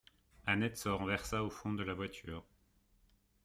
Annette se renversa au fond de la voiture.